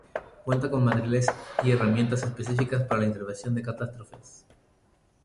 Cuenta con materiales y herramientas específicas para la intervención en catástrofes.